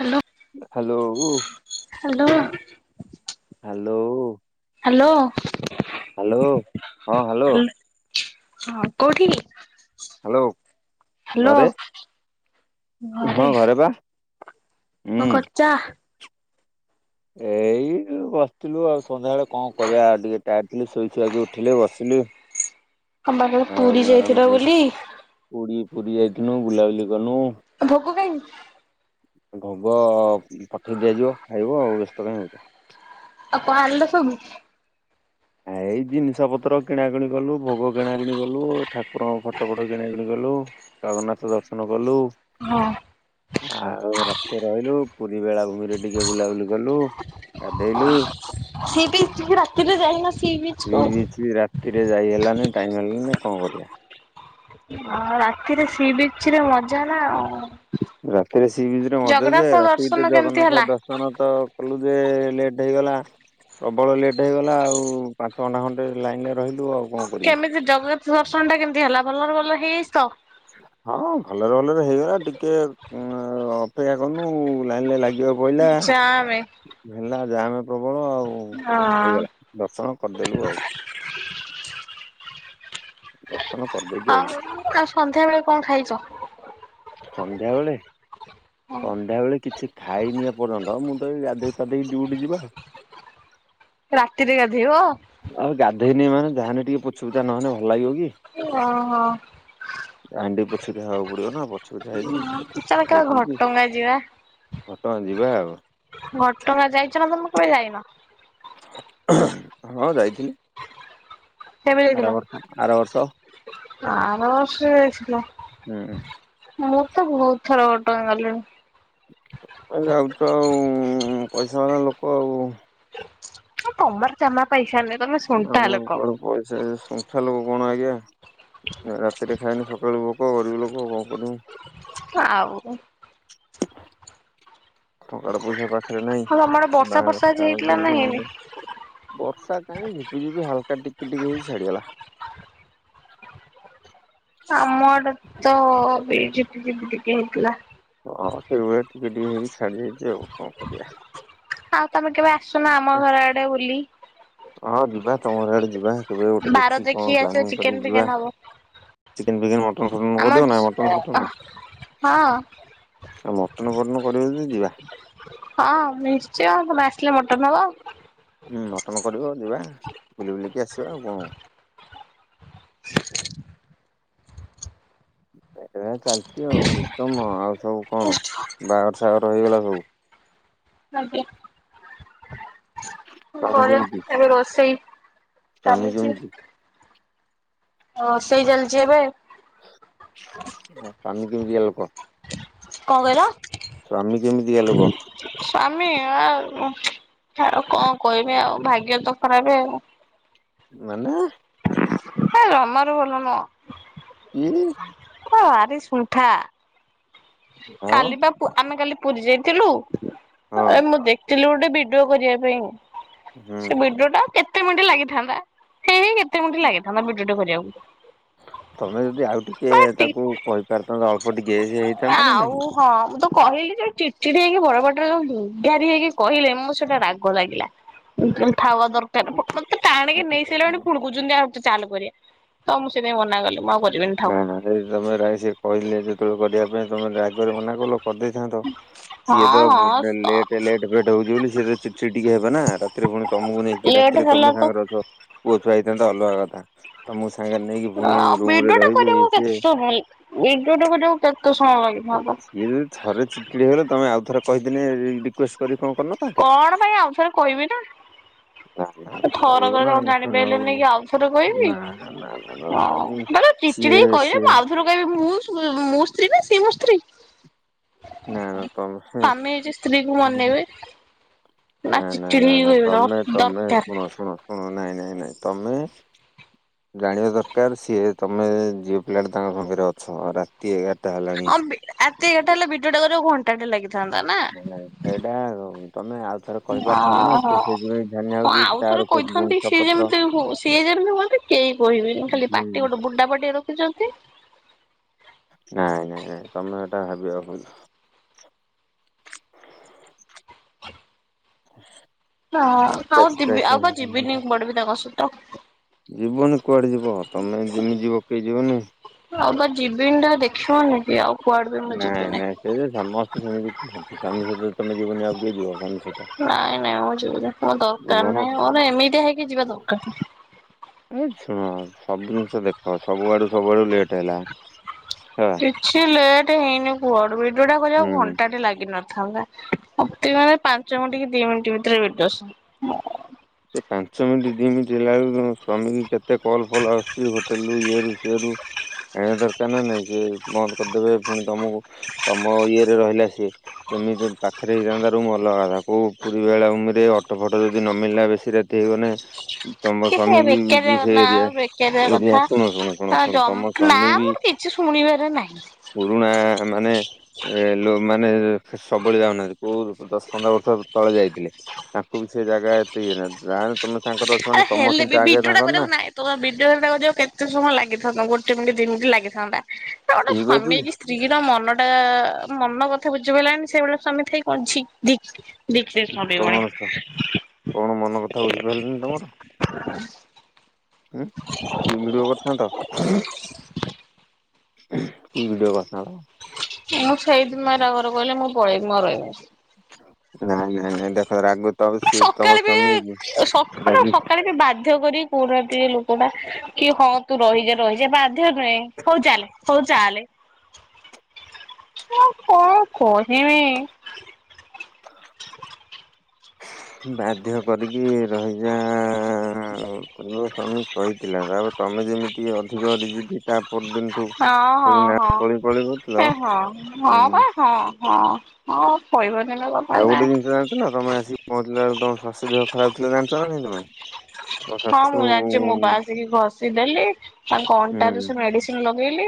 Hello hello [inaudible] hello. Hello. Hello. Hello ହଁ hello. ହଁ କୋଉଠି? ହ୍ୟାଲୋ ହ୍ୟାଲୋ ଘରେ । ହଁ ଘରେ ପା। କଁ କରୁଛ? ଏଇ ବସି ଥିଲୁ ଆଉ ସନ୍ଧ୍ୟା ବେଳେ କଣ କରିବା ଟିକେ ଟାଇଡ ଥିଲି ଶୋଇ ଶୁଆକି ଉଠିଲି ବସିଲି ଅମ୍ବା କହିଲ ଆଉ ପୁରୀ ମ୍ୟାଡାମ ଯାଇଥିଲ ବୁଲି? ପୁରୀ ପୁରୀ ଯାଇଥିନୁ ବୁଲାବୁଲି କନୁ । କଁ ପାଇଁ? ଭୋଗ ପଠେଇ ଦିଆ ଯିବ ଖାଇବ ଆଉ ବ୍ୟସ୍ତ କାହିଁ ହୋଉଚ? [unintelligible] ଏଇ ଜିନିଷ ପତ୍ର କିଣାକିଣି କଲୁ ଭୋଗ କିଣାକିଣି କଲୁ ଠାକୁରଙ୍କ ଫଟୋ ଫଟ କିଣାକିଣି କଲୁ ଜଗନ୍ନାଥ ଦର୍ଶନ କଲୁ । ହଁ। ଆଉ ରାତି ରହିଲୁ ପୁରୀ ବେଳାଭୂମିରେ ଟିକେ ବୁଲାବୁଲି କଲୁ । ସେ ବି [unintelligible] ରାତିରେ । ଶ୍ରୀ ବିଚ ରାତିରେ ଯାଇ ହେଲାନି ଟାଇମ ହେଲାନି କଣ କରିବା? ଅ ରାତିରେ ସି ବିଚରେ ମଜା ନା ଆଉ। ରାତିରେ ସି ବିଚ୍ ରେ ମଜା ଯେ ଜଗନ୍ନାଥ ରାତି ଦର୍ଶନ ଭିତରେ କେମିତି ଜଗନ୍ନାଥ ହେଲା? ଦର୍ଶନ ତ କଲୁ ଯେ ଲେଟ ହେଇଗଲା ପ୍ରବଳ ଲେଟ ହେଇଗଲା ଆଉ ପାଞ୍ଚ ଘଣ୍ଟା ଖଣ୍ଡେ ଲାଇନରେ ରହିଲୁ ଆଉ କଣ କରିବୁ? ଦର୍ଶନଟା କେମତି ହେଲା ଭଲରେ ଭଲ ହେଇଯାଇଚି ତ? ହଁ ଭଲ ରେ ଭଲରେ ହେଇଗଲା ଟିକେ ଅପେକ୍ଷା କନୁ । ଲାଇନରେ ଲାଗିବା କୁ ପଇଲା ଜାମେ ହେଲା । ଜାମେ ପ୍ର ବଳ ଆଉ ହଁ ହେଇଗଲା ଦର୍ଶନ କରିଦେଲୁ ଆଉ । ଆଇଲୁ ଆଉ ଆଉ ସନ୍ଧ୍ୟାବେେଳେ କଣ ଖାଇଚ? ସନ୍ଧ୍ୟାବେଳେ ସନ୍ଧ୍ୟାବେଳେ କିଛି ଖାଇନି ଏପର୍ଯ୍ୟନ୍ତ ମୁଁ ତ ଏଇ ଗାଧେଇ ପାଧେଇ ଡ୍ୟୁଟି ଯିବା । ରାତିରେ ଗାଧେଇବ? ହଉ [unintelligible] ଧେଇନି ମାନେ ଜା ହେନେ ଟିକେ ପୋଛି ପୁଛା ନହେନେ ଭଲ ଲାଗିବ କି? ଓହୋ । ଜାହେନେ ଟିକେ ପୋଛିତେ ଦେହାବାକୁ ପଡିବ ନା । ହଁ ଚାଲ କେବେ ଘଟଗାଁ ଯିବା? ତ ଯିବା ଆଉ । ଘଟଗାଁ ଯାଇଚ ନା ତମେ କେବେ ଯାଇନ? ହଁ ଯାଇଥିଲି । କେବେ ଯାଇଥିଲ ବର୍ଷ ଆର ବର୍ଷ ଯାଇଥିଲୁ। ହୁଁ ମୁଁ ତ ବହୁତ ଥର ଘଟଗାଁ ଗଲିଣି । ତମେ ଯାଉଛ ଆଉ ପଇସା ବାଲା ଲୋକ ଆଉ ତମର ଜମା ପଇସା ନାହିଁ ତମେ ଶୁଣ୍ଠା ଆମର ଲୋକ। କୁଆଡୁ ପଇସା ଶୁଣ୍ଠା ଲୋ କଣ ଆଜ୍ଞା ରାତିରେ ଖାଏନି ସକାଳୁ ଭୋକ ଗରିବ ଲୋକ କଣ କରିବୁ? ଆଉ । ଟଙ୍କାର ପଇସା ପା ଖରେ ନାଇଁ ହଁ ତମ ଆଡେ ବର୍ଷା ବର୍ଷା ଆଜି [unintelligible] ହେଇଥିଲା ନା ଦିନିଆ ହେଇନି? ଆଡ଼େ ବର୍ଷା। ନାଇଁ ଝିପିଝିପି ହାଲକା ଟିକେ ଟିକେ ହେଇକି ଛାଡିଗଲା। ଆମ ଆଡ଼େ ତ ବିି ଝିପି ଝିପି ଟିକେ ହେଇଥିଲା। ହଁ ସେଇଭଳିଆ ଟିକେ ଟିକେ ହେଇକି ଛାଡିଯାଇଛି ଆଉ କଣ କରିବା । ଆଉ ତମେ କେବେ ଆସୁନ ଆମ ଘର ଆଡେ ବୁଲି? ହଁ ଯିବା ତମ ଘର ଆଡେ ଯିବା । କେବେ ଗୋଟେ ବାର ଦେଖି ଦେଖିକି କଣ ଆସିବ ପ୍ଲାନିଂ ଚିକେନ କରିକି ଯିବା ଫିକେନ ହବ। ଚିକେନ୍ ଫିକେନ୍ ମଟନ୍ ଫଟନ ଆମ କରିିବ ନା ମଟନ ଫଟନ୍? ଆଉ ହଁ କଣ ମଟନ୍ ଫଟନ୍ କରିବ ଯଦି ଯିବା । ହଁ ନିଶ୍ଚୟ ତମେ ଆସିଲେ ମଟନ୍ ହବ । ହୁଁ ମଟନ କରିବ ଯିବା ବୁଲି ବୁଲିକି ଆସିବା ଆଉ କଣ? ଏ ଚାଲିଛି ଆଉ ସିଷ୍ଟମ ଆଉ ସବୁ କଣ ବାଘର ସାଘର ହେଇଗଲା ସବୁ? ଆଜ୍ଞା । ସ୍ୱାମୀ ପରେ କେମିତି ଏବେ ରୋଷେଇ ସ୍ୱାମୀ ଚାଲିଚି କେମିତି । ରୋଷେଇ ଚାଲିଛି ଏବେ ସାନ କେମିତି ଆଲ [unintelligible] କୁହ। କଣ କହିଲ? ସ୍ୱାମୀ କେମିତିକା ଲୋକ? ମି ଆ ଛାଡ଼ କଣ କହିବି ଆଉ ଭାଗ୍ୟ ତ ଖରାପ ଆଉ? ମାନେ ହେ ଭଲ ଜମାରୁ ନୁହେଁ । [inaudible] ଭାରି ସୁଣ୍ଠା । ଆଉ କାଲି ପା-ପା ଆମେ କାଲି ପୁରୀ ଯାଇଥିଲୁ ହଁ । ଏରେ ମୁଁ ଦେଖି ଥିଲୁ ଗୋଟେ ବିଡିଓ କରିବା ପାଇଁ ହୁଁ। । ସେ ବିଡ଼ଓ ଟା କେତେ କେତେ ମିଣ୍ଟ ଲାଗିଥାନ୍ତା ହେଇ କେତେ ମିଣ୍ଟ ଲାଗିଥାନ୍ତା ଭିଡିଓଟି କରିବାକୁ । ତମେ ଯଦି ଆଉ ଟିକେ ଟି ତାକୁ କହିପାରିଥାନ୍ତ ଅଳ୍ପ ଟିକେ ଏଜ କେତା ନା ନାଇ ଆଉ [unintelligible] ହଁ ମୁଁ ତ କହିଲି ଯେ ଚିଡ୍ ଚିଡ୍ ହେଇକି ବଡ ପାଟିରେ ଯୋଉଗାରି ହେଇକି କହିଲେ ମେତେ ସେଟା ରାଗ ଲାଗିଲା । କଥା ହବା ଦରକାର ମୋତେ ଟାଣିକେ ଆଉ ନେଇ ତମେ ସାରିଲାଣି ପୁଣକୁୁଛନ୍ତି ଆଉ ଚାଲ କରିବା । ତ ମୁଁ ସେଇପାଇଁ ମନା କଲି ମୁଁ ଆଉ କରି ହଁ ହଁ [unintelligible] ସେ କହିଲେ ଯେତେବେଳକୁ କରିବା ପାଇଁ ତମେ ରାଗ ଥରେ ମନାକଲ କରିଦେଇଥାନ୍ତ ସିଏ ହଁ ତ ହଁ ଲେଟ ଲେଟ ଫେଟ୍ ହଉଛି ବୋଲି ସିଏ ତ ଚିଡ୍‌ଚିଡ୍‌ ଟିକେ ହେବ ନା ରାତିରେ ପୁଣି ତମକୁ ନେଇକି ଲେଟ୍ ରାତିରେ ହେଲା ତମେ ତ ସାଙ୍ଗରେ ଅଛ । ଛୁଆ ହେଇଥାନ୍ତା ଅଲଗା କଥା ତ ମୁଁ ସାଙ୍ଗରେ ନେଇକି ପୁଣି ରୁମ୍ ରେ ଭିଡିଓଟା ଟା ରହିବେ ଇଏ କରିବାକୁ ସିଏ କେତେ ସମୟ ଭିଡିଓଟା କରିବାକୁ ସମୟ ଲାଗିଥାନ୍ତା। ସିଏ ଯଦି ଥରେ ଚିକିଡି ହେଲେ ତମେ ଆଉଥରେ କହିଦିନେ ରିକ୍ୱେଷ୍ଟ କରି କଣ କରିନଥାନ୍ତେ? କଣ ପାଇଁ ଆଉଥରେ କହିବି ନା? ନା ନା ନା, ଥର କହିବ କରେ ନା କଣ ଆମେ ଶୁଣିବ ବୋଲି ଜାଣିପାଇଲନି କି ଆଉଥରେ କହିବି ନା ନା ନା ନା ନା, ହଁ ସ୍ୱାମୀ ମାନେ ସିଏ ଚିଡ୍‌ଚିଡ୍‌ କହିଲେ ସିଏ ମୁଁ ଆଉଥରେ କହିବି ମୁଁ ମୋ ସ୍ତ୍ରୀ ନା ସିଏ ମୋ ସ୍ତ୍ରୀ ନା ନା ତମେ ସ୍ୱାମୀ ହେଇଛି ସ୍ତ୍ରୀ କୁ ମନେଇବେ ନା ନା ଚିଡଚିଡି ନା ହେଇ ନା କହିବେ ଦ ତମେ ତମେ ଦରକାର। ଶୁଣ ଶୁଣ ହଁ ନାଇଁ ନାଇଁ ନାଇଁ ତମେ ଜାଣିବା ଦରକାର ସିଏ ତମେ ଝିଅ ପିଲାଟା ତାଙ୍କ ପାଖରେ ଅଛ ରାତି ଏଗାର [unintelligible] ଏଗାରଟା ହେଲେ ଭିଡିଓଟା କରିବାକୁ ଘଣ୍ଟାଟେ ଲାଗିବ। [unintelligible] ତମେ ଆ ଓହୋ ହଁ ହଉଛି ଆଉ ଥରେ ତାର କେତେ କହିଥାନ୍ତି ଜିନିଷ ସିଏ ପତ୍ର ଯେମିତି ସିଏ ଯେମିତି ହୁଅନ୍ତି କେହି କହିବେନି ଖାଲି ନାଇଁ ପାଟି ଗୋଟେ ବୁଡା ପଟି ରଖିଚନ୍ତି। ନାଇଁ ନାଇଁ ନାଇଁ ତମେ ଏଇଟା ଭାବିବା ଭୁଲ। [inaudible] [inaudible] ହଁ ଆଉ ଦିବି ଆଉ ଯିବିନି କୁଆଡ଼େ ବି ତାଙ୍କ ସହିତ। ଯିବନି କୁଆଡେ ଯିବ ତମେ ଯେମିତି ଯିବ କେଇ ଯିବନି? ଆଉ ବା ଯିବିନ୍ ଟା ଦେଖିବନି କି ଆଉ କୁଆଡେ ବି ମୁଁ ନାଇଁ ଯିବିନି। ନାଇଁ ସେ ଯେ ସମସ୍ତେ ସେମିତି କୁହ ସ୍ୱୀମୀ ସହିତ ତମେ ଯିବନି ଆଉ କିଏ ଯିବ ସ୍ବାମୀ ନାଇଁ ନାଇଁ ମୁଁ ଯିବ ନାଇଁ ମୋର ଯିବ ଦରକାର ନା। ନାଇଁ ମୋର ଏମିତି ଆ ହେଇକି ଯିବା ଦରକାର ନାହିଁ। ଏ ଶୁଣ ସବୁ ଜିନିଷ ଦେଖ ସବୁଆଡୁ ସବୁଆଡୁ ଲେଟ୍ ହେଲା। ହେଲା। କିଛି ଲେଟ୍ ହେଇନି କୁଆଡୁ ବି ଯୋଉଟା ହୁଁ କରିଆକୁ ଘଣ୍ଟାଟେ ଲାଗିନ ଥାଉନା ଅତି ମାନେ ପାଞ୍ଚ ମିଣ୍ଟି କି ଦି ମିଣ୍ଟି ଭିତରେ ବିଦସ। ସେ ପାଞ୍ଚ ମିଣ୍ଟି ଦି ମିଣ୍ଟି ହେଲା ଅଳୁକୁ ତମ ସ୍ବାମୀକି କେ ସେ କଲ ଫଲ ଆସୁଚି ହୋଟେଲରୁ ଇଏରୁ ସିଏରୁ ଖାଇଆ ଦରକାର ନାଁ ନାଇଁ ଯେ ବନ୍ଦ କରିଦେବେ ପୁଣି ତମୁକୁ ତମ ଇଏରେ ରହିଲା ସିଏ କେମିତି ପାଖରେ ହେଇଯାଆନ୍ତା ରୁମ୍ ଅଲଗା କଥା କୋଉ ପୁରୀ ବେଳାଭୂମିରେ ଅଟୋ ଫଟ ଯଦି ନ ମଳିଲା ବେ ସି ରାତି ହେଇଗଲେ ତମ କି ସେ ସ୍ଵାମୀ ବେକାରିଆ ବି ସେ ନା ଏରିଆ ବେକାରିଆ ଏରିଆ କଥା। ଶୁଣୁ ଶୁଣୁ ଶୁଣୁ ଆ ଶୁଣୁ ଜମ ତମ ନା ସ୍ଵାମୀ ବି ମୋର କିଛି ଶୁଣିବାର ନାହିଁ ପୁରୁଣା ମାନେ ଲୋ ମାନେ ଫେ ସବେଳେ ଯାଉନାହାନ୍ତି କୋଉ ଦଶ ପନ୍ଦର ବର୍ଷ ତଳେ ଯାଇଥିଲେ। ତାଙ୍କୁ ବି ସେ ଜାଗା ଏତେ ଇଏ ନାନି। ଜାଣେ ଆରେ ହେଲେ ବି ଭଡିଓଟା ନା। କରିବାକୁ ନାଇଁ ତମେ ଭିଡିଓ ହେଟା କରିବାକୁ କେତେ ସମୟ ଲାଗିଥାନ୍ତା ଗୋଟେ ମିଣ୍ଟି ଦି ମିଣ୍ଟି ଲାଗିଥାନ୍ତା। ତା ଗୋଟେ ଠିକ ସ୍ଵାମୀ ଅଛି ହେଇକି ସ୍ତ୍ରୀର ମନଟା ମନ କଥା ବୁ ଯୋଉ ହେଲାନି ସେଇ ଭଳିଆ ସ୍ଵାମୀ ଥାଇକି କଣ ଛି ଧୀକ୍। ଉଁ କଣ ସା କଣ ମନ କଥା ବୁଝିପାଇଲିନି? ଉଁ କି ଭିଡୁଅ କରିଥାନ୍ତ? କି ଭିଡିଓ ବସା ହବ। ଆଉ ହେଇଥ୍ ମାରା ଘରୁକୁ କହିଲେ ମୁଁ ପଳେଇବି ମୁଁ ଆଉ ରହିବିନି ରହିବିନି। ନାଁ ନାଇଁ ନାଇଁ ଦେଖ ରାଗ ତ ନାଇଁ ସିଏ ତମ ସକାଳେ ବି ସ୍ୱାମୀ ତ ସ ବୋଲ ରାଗି ସକାଳେ ବି ବାଧ୍ୟ କରି ପୁରା ତି ଏଇ ଲୋକଟା କି ହଁ ତୁ ରହିଯା ରହିଯା ବା ଧ୍ୟ ନୁହେଁ ହଉ ଚାଲେ ହଉ ଚାଲେ। ମୁଁ କଣ କହିମି? ବାଧ୍ୟ କରିକି ରହିଯା ତମର ସ୍ୱାମୀ କହିଥିଲା ତାପରେ ତମେ ଯେମିତି ଅଧିକ ଗୋଟେ ଯିଦି ତା ପରଦିନଠୁ ହଁ ହଁ ଖାଲି ନା ପଳେଇ ପଳେଇ ହଁ ଏ କରୁଥିଲ ହଁ ହଁ ପା ହଁ। ହଁ ହଁ କଇବ ଆଉ ଗୋଟେ ଜିନିଷ ଜାଣିିଚ ନା ତମେ ଆସିକି ପହଞ୍ଚିଲା ଅଳୁ ତମ ସ୍ୱାସ୍ଥ୍ୟ ଦେହ ଖରାପ ଥିଲା ଜାଣିଚ ନାଁ ନାହିଁ ତମେ? ତମ ହଁ ଶାଶୁ ମୁଁ ହୁଁ ଜାଣିଚି ମୁଁ ପା ଆସିକି ଘଷିଦେଲି ତାଙ୍କ ଅଣ୍ଟାରୁ ସେ ମେଡିସିନ ଲ ବିଲି।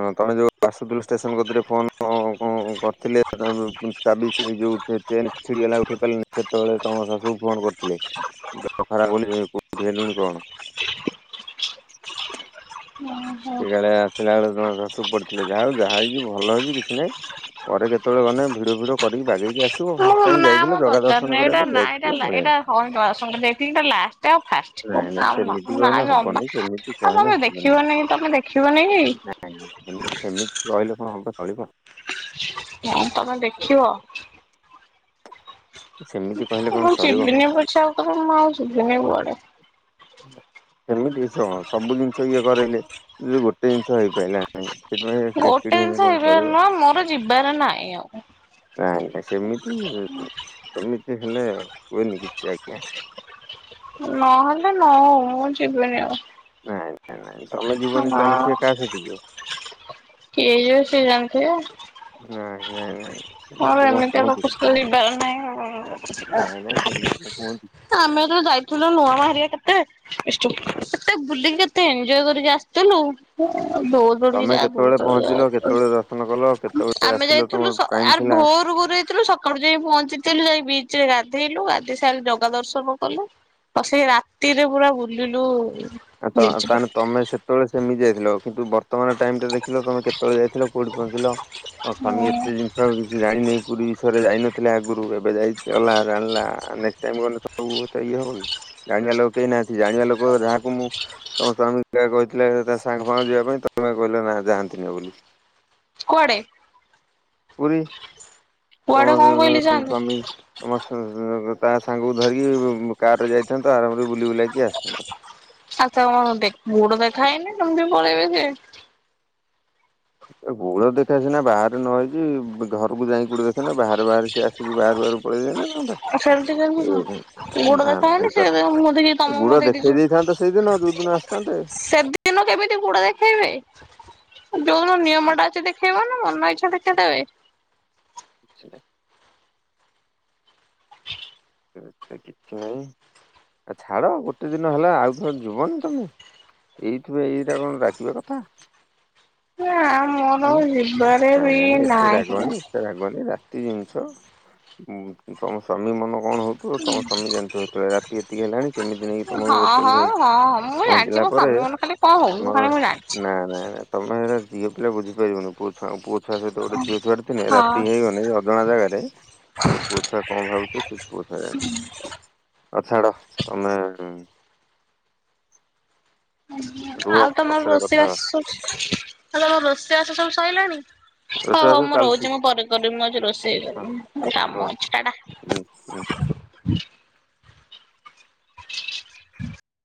ହଁ ତମେ ଯୋଉ ବାସୁଦୁଲ ଷ୍ଟେସନ କତିରେ ଫୋନ କଁ କରିଥିଲେ ତମେ ଯୋଉ ତାବିଜ୍ ଛିଡ଼ି ଯୋଉ ସେ ଚେନ୍ ଛିଡ଼ିଗଲା ଉଠେଇ ପାରିଲନି ସେତୋଳେ ତମ ଶାଶୁ ଫୋନ କରିଥିଲେ। ଦେହ ଖରାପ ବୋଲି କୋଉଠି ହେଲୁଣି କଣ। ସେ [unintelligible] ଆସିଲା ବେଳେ [unintelligible] ପଡିଥିଲେ ଯାହା ହଉ ଯାହା ହେଇଛି ଭଲ ହେଇଛି କିଛି ନାହିଁ ପରେ କେତେବେଳେ ଗଲେ ଭିଡଓ ଫିଡିଓ କରିକି ବାଗେଇକି ଆସିବ ମୁଁ [unintelligible] କରିବା ପାଇଁ ଯାଇଥିଲ ପଳେଇଆଇଲ [unintelligible] ଲାଷ୍ଟ ଆଉ ଫାଷ୍ଟ ନାଇଁ ନାଇଁ ଆଉ ନା ସେମିତି କହିନେ ନାଇଁ ଅମା ହବନି ସେମିତି ଆଉ କହିନେ ତମେ ହବନି ଦେଖିବନି କି ତମେ ଦେଖିବନି କି? ନା-ନାଇଁଁ ସେମିତି ସେମିତି ରହିଲେ କଣ ହବ ଚଳିବ ହ ତମେ ଦେଖିବ ସେମିତି କହିଲେ କଣ ମୁଁ ଚଳିବ। ଯିବିନି ପଛେ ଆଉ [unintelligible] ମୁଁ ଆଉ ଯିବିନି କୁଆଡେ? ସେମିତି [unintelligible] ସବୁ ଜିନିଷ ଇଏ କରାଇଲେ ଯଦି ଗୋଟେ ଜିନିଷ ହେଇ ଗୋଟେ ଜିନିଷ ହେଇଯିବାର ଚଳିବ। ନାଇ ମୋର ଯିବାର ନାଇ ଆଉ। ନାଇ ନାଇ ସେମିତି ସେମିତି ହେଲ୍ ଲେ। ନହେଲେ ନ ହଉ। ମୁଁ ଯିବିନି ଆଉ। ନାଇ। ନାଇ ନାଇ ତମେ ଯିବନି ତାହଲେ ହଁ। ସିଏ କାହା ସହିତ ଯିବ। କିଏ ଯିବେ ସିଏ ଜାଣିଥିବେ। ନାଇ ନାଇ। ମୋର ଏମିତିଆ [unintelligible] ଯିବାର ନାଇଁ ନାଇଁ ନାହିଁ ସେମିତି କଣ କୁହନ୍ତି। ଆମେ ତ ଯାଇଥିଲୁ ନୂଆ ମାଆ ହେରିଆ କେତେ। ବିଷ୍ଟୁ ଏତେ ବୁଲିକି କେତେ ଏଞ୍ଜୟ କରିକି ଆସିଥିଲୁ। ଦୌଡି ଦୌଡିକି ତମେ ଯା କେତେବେଳେ ଦୌଡି ପହଞ୍ଚିଲ ଦୌଡି କେତେବେଳେ ଦର୍ଶନ କଲ କେତେବେଳେ ଆମେ ଆସିଲ ଯାଇଥିଲୁ ତମର? ଟାଇମ ଆର୍ ଥିଲା ଭୋର ଭୋରୁ ହୋଇ ଯାଇଥିଲୁ ସକାଳୁ ଯାଇ ପହଞ୍ଚି ଲୁ ଯାଇ ବିଚ ରେ ଗାଧେଇଲୁ ଗାଧେଇ ସାରେ ଜଗା ଦର୍ଶନ କଲୁ ଆଉ ସେଇ ରାତିରେ ପୁରା ବୁଲିଲୁ ତ ବିଚ୍ ତା ରେ। ତମେ ସେତେବେଳେ ସେମି ଯାଇଥିଲ। କିନ୍ତୁ ବ ର୍ତମାନ୍ ଟାଇମ ଟା ଦେଖିଲ ତମେ କେତବେଳେ ଯାଇଥିଲ କୋଉଠି ପହଞ୍ଚିଲ ତମ୍ ସ୍ୱାମୀ ଏତେ ଜିନିଷ କିଛି ଜାଣିନି ପୁରୀ ବିଷୟରେ ଯାଇନ ଥିଲା ଆଗରୁ ଏବେ ଯାଇ ଗଲା ଜାଣିଲା ନେକ୍ସଟ୍ ଟାଇମ୍ ଗଲେ ତ ସବୁ କଥା ଇଏ ହବନି ଜାଣିବା ଲୋକ କେହି ନାହାନ୍ତି ଜାଣିବା ଲୋକ ଯାହାକୁ ମୁଁ ତମ ସ୍ୱାମୀ କାଳେ କହିଥିଲେ ତା ସାଙ୍ଗମାନେ ଯିବା ପାଇଁ ତମେ ତ କହିଲ ନା ଯାଆନ୍ତିନି ବୋଲି। କୁଆଡେ? ପୁରୀ। ତମ କୁଆଡେ କଣ କହିଲି ସ୍ୱାମୀ ଯାଆନ୍ତିନି? ତମ ତା ସାଙ୍ଗକୁ ଧରିକି କାର ରେ ଯାଇଥାନ୍ତ ଆରାମ ବୁଲ୍ ବୁଲି ବୁଲା କି ଆସିଥାଆନ୍ତ । ଆଉ ତା ଗୋଡ ଦେଖାହେଇନି କେମତି ପଳେଇବେ ସେ। ଗୋଡ ଦେଖା ସିନା ବାହାରେ ନ ହେଇଛି ଘରକୁ ଯାଇକିନା ଗୋଡ ଦେଖା ନା ବାହାରେ ବାହାରେ। ସେ ଆସିକି ବାହାରୁ ବାହାରୁ ପଳେଇ ଯାଇନଥାନ୍ତ ସେମିତି କେମିତି କଣ ଯାଇଥାନ୍ତା ଗୋଡ ନା ଦେଖା ନା ହେଇନି ସେ ମୋ ମୁହଁ ଦେଖି ତମ ହେଇପାର ମୁହଁ ଗୋଡ ଦେଖି ଦେଖେଇ ଦେଇଛନ୍ତି। ଦେଇଥାନ୍ତେ ସେଇଦିନ ଦୋଉ ଦିନ ଆସିଥାନ୍ତେ। ସେଦିନ ଯୋଉ ନ-ନିୟମ ଟା ଅଛି ଦେଖେଇବ ନାଆଁ। ମନ ଇଚ୍ଛା ଦେଖେଇଦେବେ। କିଛି କିଛି ନାଇଁ ଆ ଛାଡ ଗୋଟେ ଦିନ ହେଲା ଆଉ କଣ ଯିବନି ତମେ ଏଇଥି ପାଇଁ ଏଇଟା କଣ ରାଗିବା କଥା? ନାଆଁ ମୋର ଉଁ ଆଉ ଯିବାରେ ନାଇଁ ବି ନାହିଁ। ପ୍ରତି ଜିନିଷ ଉଁ ତମ ସ୍ଵାମୀ ମନ କଣ ହଉଥିବ ତମ ସ୍ୱାମୀ ଜାଣିଥିବ। ଯେତେବେଳେ ରାତି ଏତିକି ହେଲାଣି କେମିତି ନେଇକି ହଁ ତମକୁ ହୋଟେଲ ହଁ ରେ ହଁ ମୁଁ ଜାଣିଛି ପହଞ୍ଚିଲା ମୋ ପରେ ସ୍ୱାମୀ ମୋର ଖାଲି କଣ ହଉଥିବ ତମର ଖାଲି ମୁଁ ଜାଣିଛି। ନାଁ ନାଁ ନାଁ ତମେ ଗୁରା ଝିଅ ପି ବୁଝିପାରିବୁନୁ [unintelligible] ଛୁଆ ପୁଅ ଛୁଆ ସହିତ ଗୋଟେ ଝିଅ ଛୁଆ ଟେ ଥିଲେ, ହଁ ରାତି ହେଇଗଲେ ଅଜଣା ଜାଗାରେ, ସେ ପୁଅ ଛୁଆ କଣ ଭାବୁଥିବ ସେ ପୁଅ ଛୁଆ ଜାଣିଚି। ଆଉ ଛାଡ ତମେ ଏ ରୁହ ଆଉ ତମର ପଛରେ ରୋଷେଇ କଥା ହବା ବାସ ସଉଚ୍ ଆଲୋ ତମର ରୋଷେଇ ବାସ ସବୁ ସ ସଇଲାଣି। ହଉ ହଉ ରୋଷେଇବାସ ମୁଁ ଚାଲିଛି ରହୁଚି, ମୁଁ ପରେ କରିବି, ମୁଁ ଯାଉଚି ରୋଷେଇ ହଁ କରିବି, ମୋ ହଁ। କାମ ଅଛି ହୁଁ, ହୁଁ। ଟାଟା। [unintelligible]